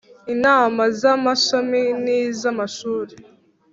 Inama z Amashami niz amashuri